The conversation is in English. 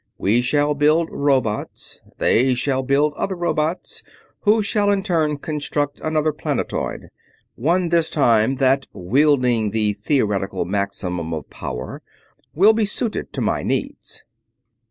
We shall build robots. They shall build other robots, who shall in turn construct another planetoid; one this time that, wielding the theoretical maximum of power, will be suited to my needs."